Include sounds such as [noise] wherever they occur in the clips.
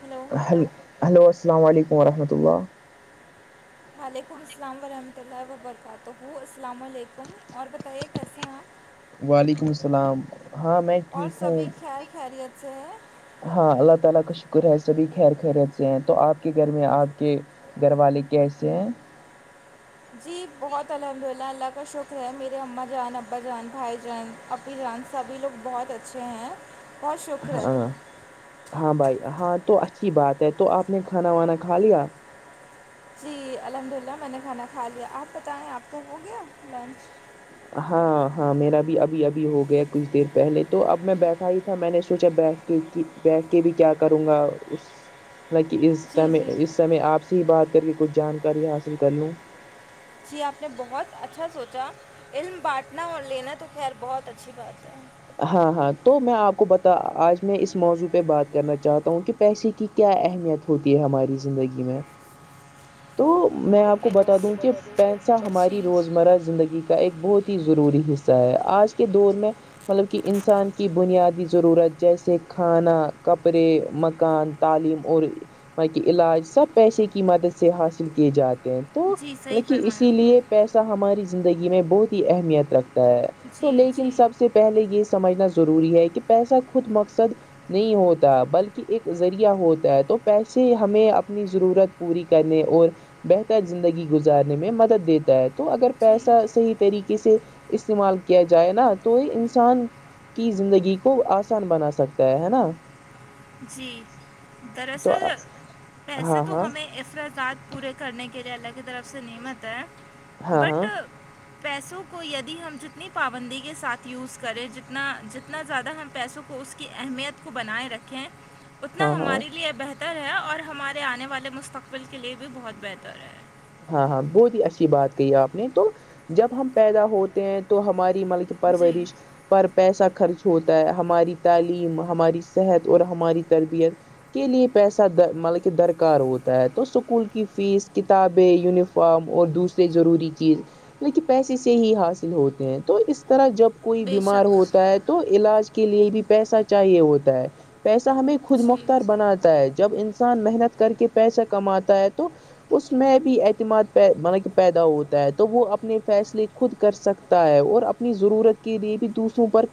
hello ہیل hello السلام علیکم ورحمتۃ اللہ وعلیکم السلام ورحمۃہ اللہ وبرکاتہ السلام علیکم اور بتائیے کیسے ہیں آپ وعلیکم السلام ہاں میں اور ٹھیک ہوں سبھی خیر خیریت سے ہیں ہاں اللہ تعالی کا شکر ہے سبھی خیر خیرت سے ہیں تو آپ کے گھر میں آپ کے گھر والے کیسے ہیں جی بہت الحمد للہ اللہ کا شکر ہے میرے اماں جان ابا جان بھای جان اپی جان سبھی لوگ بہت اچھے ہیں بہت شکر ہے ہاں ہاں بھائی ہاں تو اچھی بات ہے تو آپ نے کھانا وانا کھا لیا جی الحمد للہ میں نے کھانا کھا لیا آپ بتائیں آپ کو ہو گیا لنچ ہاں ہاں میرا بھی ابھی ابھی ہو گیا کچھ دیر پہلے تو اب میں بیٹھا ہی تھا میں نے سوچا بیٹھ کہ بیٹھ کے بھی کیا کروں گا اس حالکہ اس جی جی اس سمے آپ سے ہی بات کر کے کچھ جانکاری حاصل کر لوں جی آپ نے بہت اچھا سوچا علم بانٹنا اور لینا تو خیر بہت اچھی بات ہے ہاں ہاں تو میں آپ کو بتا آج میں اس موضوع پہ بات کرنا چاہتا ہوں کہ پیسے کی کیا اہمیت ہوتی ہے ہماری زندگی میں تو میں آپ کو بتا دوں کہ پیسہ جی ہماری روزمرہ زندگی ایک بہت ہی ضروری حصہ ہے آج کے دور میں مطلب کہ انسان کی بنیادی ضرورت جیسے کھانا کپڑے مکان تعلیم اور وہاں کے علاج سب پیسے کی مدد سے حاصل کیے جاتے تو جی صحیح مط فرمایا اسی آپ لیے نے پیسہ ہماری زندگی میں بہت ہی اہمیت رکھتا ہے تو جی جی لیکن سب سے پہلے یہ سمجھنا ضروری ہے کہ پیسہ خود مقصد نہیں ہوتا بلکہ ایک ذریعہ ہوتا ہے تو پیسے ہمیں اپنی ضرورت پوری کرنے اور بہتر زندگی گزارنے میں مدد دیتا ہے تو اگر جی پیسہ صحیح طریقے سے استعمال کیا جائے نا تو یہ ان انسان کی زندگی کو آسان بنا سکتا ہے ہے نا جی تو دراصل ہاں پیسے تو ہاں ہمیں اخرادات پورے کرنے کے لئے اللہ کی طرف سے نہیں مت ہے ہاں بٹ ہاں پیسوں کو یدی ہم جتنی پابندی کے ساتھ یوز کریں جتنا جتنا زیادہ ہم پیسوں کو اس کی اہمیت کو بنائے رکھیں اتنا ہاں ہاں ہمارے لیے بہتر ہے اور ہمارے آنے والے مستقبل کے لیے بھی بہت بہتر ہے ہاں ہاں بہت ہی اچھی بات کہی آپ نے تو جب ہم پیدا ہوتے ہیں تو ہماری مل کی جی پرورش پر پیسہ خرچ ہوتا ہے ہماری تعلیم ہماری صحت اور ہماری تربیت کے لیے پیسہ مطلب کہ درکار ہوتا ہے تو اسکول کی فیس کتاب ب یونفام اور دوسرے ضروری چیز لیک پیسے سے ہی حاصل ہوتے ہیں تو اس طرح جب کوئی بے بیمار شک ہوتا ہے تو علاج کے لیے بھی پیسہ چاہیے ہوتا ہے پیسہ ہمیں خود جی مختار بناتا ہے جب انسان محنت کر کے پیسہ کماتا ہے تو اس میں بھی اعتماد پہ ملک پیدا ہوتا ہے تو وہ اپنے فیصلے خود کر سکتا ہے اور اپنے اپنی ضرورت کے لیے بھی دوسروں پر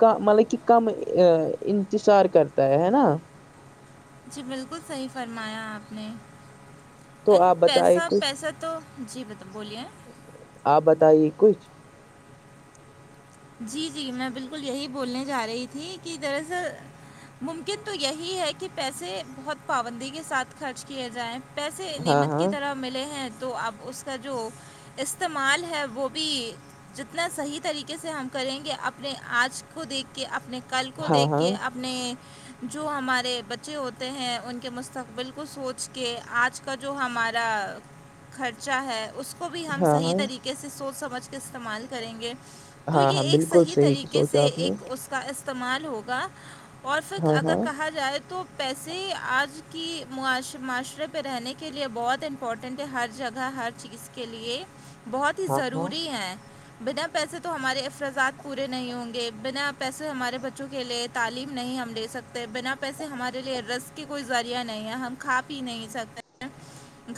کا مطلب کہ کم انتظار کرتا ہے ہے نا جی بالکل صحیح فرمایا آپ نے تو اینڈ آپ بتائے پیسہ کچھ پیسہ تو تو جی بولیے آپ بتائیے کچھ جی جی میں بالکل یہی بولنے جا رہی تھی کہ دراصل ممکن تو یہی ہے کہ پیسے بہت پابندی کے ساتھ خرچ کیے جائیں پیسے ہاں نعمت کی ہاں طرح ملے ہیں تو اپ اس کا جو استعمال ہے وہ بھی جتنا صحیح طریقے سے ہم کریں گے اپنے آج کو دیکھ کے اپنے کل کو ہاں دیکھ کے ہاں اپنے جو ہمارے بچے ہوتے ہیں ان کے مستقبل کو سوچ کے آج کا جو ہمارا خرچہ ہے اس کو بھی ہم ہاں صحیح ہاں طریقے سے سوچ سمجھ کے استعمال کریں گے تو ہاں یہ ہاں ایک بالکل صحیح طریقے سے سوچا آپ نے ایک اس کا استعمال ہوگا اور پھر ہاں اگر ہاں کہا جائے تو پیسے آج کی معاشرے پہ رہنے کے لیے بہت امپورٹنٹ ہے ہر جگہ ہر چیز کے لیے بہت ہی ہاں ضروری ہے بنا پیسے تو ہمارے اخراجات پورے نہیں ہوں گے بنا پیسے ہمارے بچوں کے لیے تعلیم نہیں ہم نہیں دے سکتے بنا پیسے ہمارےلیے رزق کی کوئی ذریعہ نہیں ہے ہم کھا پی نہیں سکتے ہیں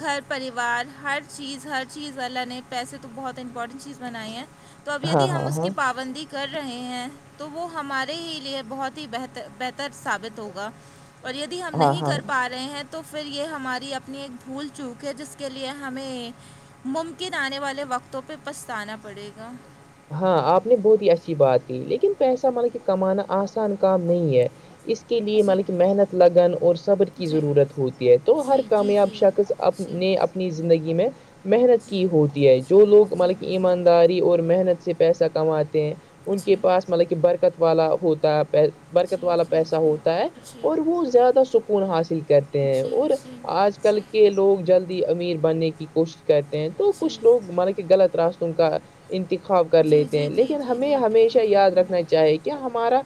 گھر پریوار ہر چیز ہر چیز والا نے پیسے تو بہت امپورٹنٹ چیز بنائی ہے تو اب ہاں یدی ہم ہاں ہاں اس ہاں کی پابندی کر رہے ہیں تو وہ ہمارے ہی لیے بہت ہی بہتر بہتر ثابت ہوگا اور یدی ہم ہاں نہیں ہاں کر پا رہے ہیں تو پھر یہ ہماری اپنی ایک بھول چوک ہے جس کے لیے ہمیں ممکن آنے والے وقتوں پہ پچھتانا پڑے گا ہاں آپ نے بہت ہی اچھی بات کہ لیکن پیسہ مطلب کہ کمانا آسان کام نہیں ہے اس کے لیے جی مان کے محنت لگن اور صبر کی جی ضرورت ہوتی ہے تو ہر جی جی کامیاب جی شخص اپ نے اپ زندگی میں محنت جی کی ہوتی ہے جو جی لوگ جی مطلب کہ ایمانداری اور محنت سے پیسہ کماتے ہیں ان جی کے جی جی پاس مطلب کہ برکت والا ہوتا ہے پیسہ برکت جی والا جی پیسہ ہوتا ہے جی جی اور وہ زیادہ سکون حاصل کر ہیں جی اور جی جی آج جی کل لوگ جلدی امیر بننے کی کوشش کرتے ہیں تو جی کچھ لوگ مان کے غط راستتے کا انتخاب کر لیتے ہیں جی جی لیکن جی ہمیں جی بالکل ہمیشہ یاد رکھنا بالکل چاہیے کہ ہمارا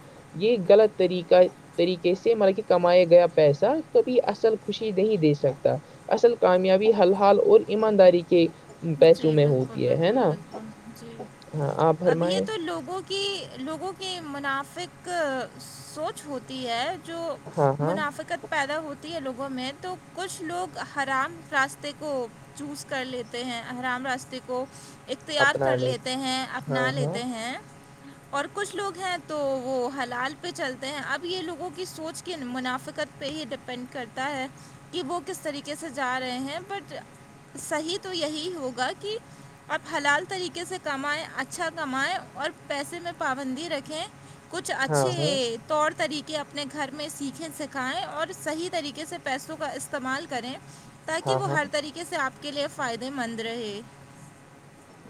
یہ غلط طریقہ طریقے سے مطلب کہ کمایا گیا پیسہ کبھی اصل خوشی نہیں دے سکتا اصل کامیابی ہرحال اور ایمانداری کے پیسوں جی میں بالکل ہوتی ہے ہے بالکل نا بالکل جی ہاں آپ اب یہ فرمائے تو لوگوں کہ لوگوں کی منافق سوچ ہوتی ہے جو ہاں ہاں منافقت پیدا ہوتی ہے لوگوں میں تو کچھ لوگ حرام راستے کو چوز کر لیتے ہیں حرام راستے کو اختیار اپنا کر لے لیتے ہیں ہاں اپنا ہاں لیتے ہیں اور کچھ لوگ ہیں تو وہ حلال پہ چلتے ہیں اب یہ لوگوں کی سوچ کی منافقت پہ ہی ڈیپینڈ کرتا ہے کہ وہ کس طریقے سے جا رہے ہیں بٹ صحی تو یہی ہوگا کہ آپ حلال طریقے سے کمائیں اچھا کمائیں اور پیسے میں پابندی رکھیں کچھ ہاں ہاں اچھے طور طریقے اپنے گھر میں سیکھیں سکھائیں اور صحی طریقے سے پیسوں کا استعمال کریں تاکہ ہاں وہ ہاں ہر طریقے سے آپ کے لیے فائدے مند رہے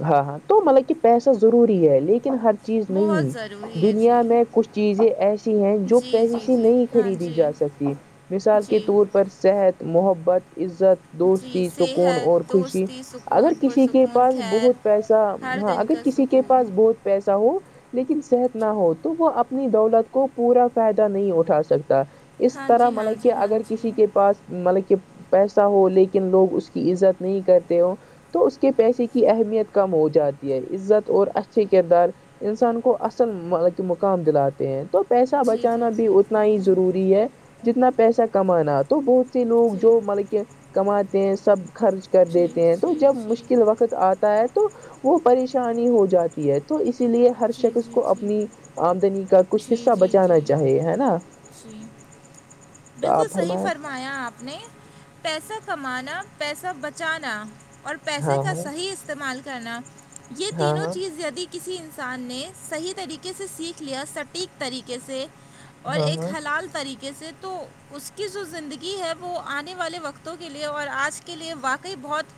ہاں ہاں تو مطلب کہ پیسہ ضروری ہے لیکن ہر چیز نہیں بہت ضروری ہے دنیا جی میں کچھ چیزیں ایسی ہیں جو جی پہلے جی سے جی نہیں ہاں خریدی جی جا سکتی مثال کے جی طور پر صحت محبت عزت جی دوستی سکون صحت اور خوشی دوستی اگر سکون کسی کے پرسکون پاس خیر بہت پیسہ ہر ہاں دن اگر کا کسی کے سکون پاس بہت پیسا ہو لیکن صحت نہ ہو تو وہ اپنی دولت کو پورا فائدہ نہیں اٹھا سکتا اس ہاں طرح جی ہاں مطلب جی کہ ہاں اگر جی کسی کے پاس مطلب کہ پیسہ ہو لیکن لوگ اس کی عزت نہیں کرتے ہو تو اس کے پیسے کی اہمیت کم ہو جاتی ہے عزت اور اچھے کردار انسان کو اصل مطلب کہ مقام دلاتے ہیں تو پیسہ جی جی بچانا بھی جی اتنا ہی ضروری ہے جتنا پیسہ کمانا تو بہت لوگ جی جو مطلب کہ کماتے ہیں سب خرچ کر جی دیتے ہیں تو جی جب جی مشکل وقت آتا ہے تو وہ پریشانی ہو جاتی ہے تو اسی لیے ہر جی جی جی شخص کو جی جی اپنی آمدنی کا کچھ جی حصہ جی بچانا جی چاہیے ہے نا جی [inaudible] تو بالکل آپ صحیح فرمائیں فرمایا آپ نے پیسہ کمانا پیسہ بچانا اور پیسے ہاں کا صحیح استعمال کرنا یہ ہاں تینوں ہاں چیز دی [unintelligible] کسی انسان نے صحیح طریقے سے سیکھ لیا سٹیک طریقے سے اور ہاں ایک ہاں حلال طریقے سے تو اس کی جو زندگی ہے وہ آنے والے وقتوں کے لیے اور آج کے لیے واقعی بہت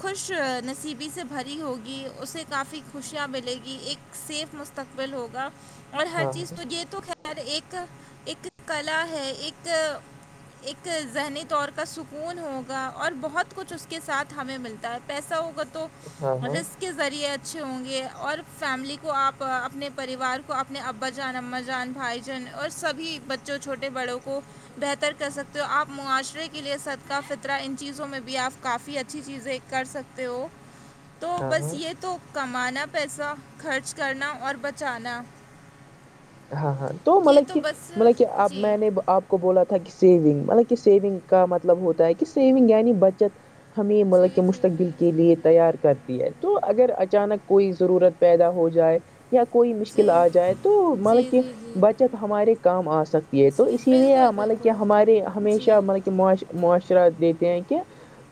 خوش نصیبی سے بھری ہوگی اسے کافی خوشیاں ملے گی ایک سیف مستقبل ہوگا اور ہاں ہر ہاں چیز تو یہ تو خیر ایک ایک کلا ہے ایک ایک ذہنی طور کا سکون ہوگا اور بہت کچھ اس کے ساتھ ہمیں ملتا ہے پیسہ ہوگا تو ہاں ہاں رسک کے ذریعے اچھے ہوں گے اور فیملی کو آپ اپنے پریوار کو اپنے اب ابا جان اما جان بھائی جان اور سبھی بچوں چھوٹے بڑوں کو بہتر کر سکتے ہو آپ معاشرے کے لیے صد کاہ فطرہ ان چیزوں میں بھی آپ کافی اچھی چیزیں کر سکتے ہو ہاں [unintelligible] تو بس ہاں یہ تو کمانا پیسہ خرچ کرنا اور بچانا ہاں ہاں تو یہ مطلب کہ بس مطلب کہ اب جی میں نے آپ کو بولا تھا کہ سیونگ مطلب کہ سیونگ کا مطلب ہوتا ہے کہ سیونگ یعنی بچت ہمیں جی جی جی مطلب کے جی جی جی مستقبل جی کے جی لیے [unintelligible] تیار کرتی ہے تو اگر جی اچانک کوئی ضرورت پیدا ہو جائے یا کوئی جی مشکل آ جائے تو جی مطلب کہ جی جی بچت ہمارے کام آ سکتی ہے تو جی اسی لیے بالکل مطلب کہ بالکل ہمارے جی ہمیشہ مطلب کہ معاشرات دیتے ہیں کہ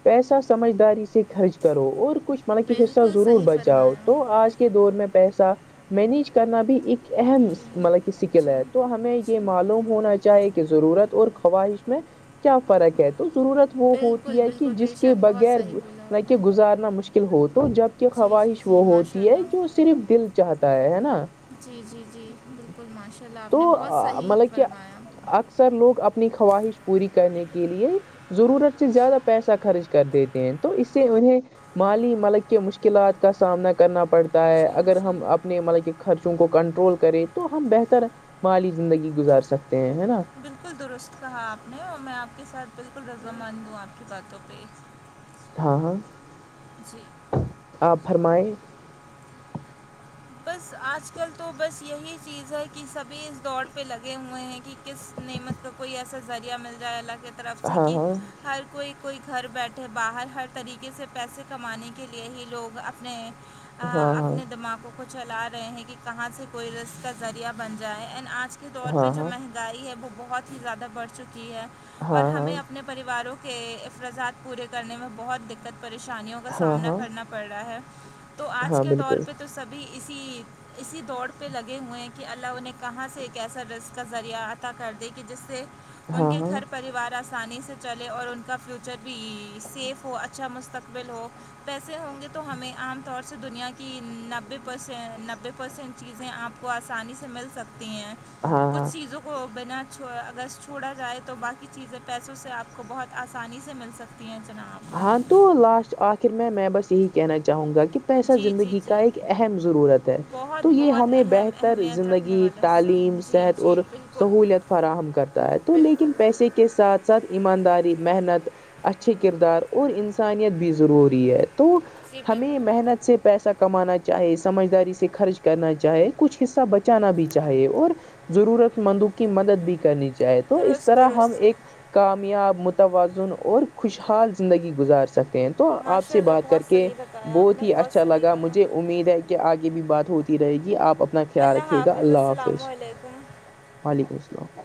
پیسہ سمجھداری سے خرچ کرو اور کچھ مطلب کہ حصہ بالکل ضرور صحیح بچاؤ فرمایا تو آج کے دور میں پیسہ مینیج کرنا بھی ایک اہم جی مطلب کہ سکل جی ہے تو ہمیں یہ معلوم ہونا چاہے ضرورت اور خواہش میں کیا فرق ہے تو ضرورت وہ ہوتی بالکل ہے کہ بالکل جس بے کے شک بہت بغیر صحیح بولا نہ آپ کہ نے گزارنا مشکل ہو تو جب کہ جی جی خواہش جی وہ ماشاء ہوتیی ہے کہ اللہ صرف دل چاہتا ہے ہے نا جی جی جی بالکل ماشاء اللہ آپ تو نے بہت صحیح مطلب کہ فرمایا اکثر لوگ اپنی خواہش پوری کرنے کے لیے ضرورت سے زیادہ پیسہ خرچ کر دیتے ہیں تو اس سے انہیں مالی ملک کے مشکلات کا سامنا کرنا پڑتا ہے جی اگر جی ہم اپنے مطلب کہ خرچوں کو کنٹرول کر کریں تو ہم بہتر مالی زندگی گزار سکتے ہیں ہے نا بالکل درست کہا آپ نے اور میں آپ کے ساتھ بالکل رضامند دوں آپ کی باتوں پہ ہاں ہاں جی آپ فرمائیں بس آج کل تو بس یہی چیز ہے کہ سبھی اس دوڑ پہ لگے ہوئے ہیں کہ کس نعمت کو کوئی ایسا ذریعہ مل جائے اللہ کی طرف سے ہاں کہ ہر کوئی کوئی گھر بیٹھے باہر ہر طریقے سے پیسے کمانے کے لیے ہی لوگ اپنے ہاں ہاں اپنے دماغوں کو چلا رہے ہیں کہ کہاں سے کوئی رق کا ذریعہ بن جائے اینڈ آج کے طور پہ ہاں جو ہاں مہنگائی ہے وہ بہت ہی زیادہ بڑھ چکی ہے اور ہاں ہاں ہمیں ہاں اپنے پریواروں کے افراضات پورے کرنے میں بہت دقت پریشانیوں کا ہاں سامنا ہاں کرنا پڑ رہا ہے تو آج ہاں کے دور بالکل پہ تو سبھی اسی اسی دوڑ پہ لگے ہوئے ہیں کہ اللہ انہیں کہاں سے ایک ایسا ویسٹ کا ذریعہ عطا کر دیا کہ جس سے ان ہاں کے ہاں گھر پریوار آ آسانی سے چلے اور ان کا فیوچر بھی سیف ہو اچھا مستقبل ہو پیسے ہوں گے تو ہمیں عام طور سے دنیا کی نب نے پرس نبے پرسینٹ چیزیں آپ کو آسانی سے مل سکتی ہیں ہاں ہاں کچھ چیزوں کو بنا چھو اگر چھوڑا جائے تو باقی چیزیں پیسوں سے آپ کو بہت آسانی سے مل سکتی ہیں جناب ہاں تو لاسٹ آخر میں میں بس یہی کہنا چاہوں گا کہ ایسا جی جی زندگی کا جی ایک اہم ضرورت ہے بہت تو یہ بہت ہمیں اہم بہتر اہمیت رکھنے زندگی والا حصہ تعلیم جی صحت جی اور بالکل سہولیت فراہم کرتا ہے تو لیکن بالکل پیسے کے ساتھ ساتھ ایمانداری محنت اچھے کردار اور انسانیت بھی ضروری ہے تو جی ہمیں بالکل محنت سے پیسہ کمانا چاہے سمجھداری سے خرچ کرنا چاہے کچھ حصہ بچ جانا بھی چاہیے اور ضرورت مندوں کی مدد بھی کرنی چاہی چاہے تو اس درست طرح ہم درست ایک کامیاب متوازن اور خوشحال زندگی گزار سکتے ہیں تو آپ ماشاء سے اللہ بات کر بہت کے صحیح بتایا آپ بہت نے ہی اچھا صحیح لگا کہا مجھے امید ہے کہ آگے بھی بات ہوتی رہے گی آپ اپنا خیال اللہ رکھیے گا حافظ اللہ السلام حافظ علیکم وعلیکم السلام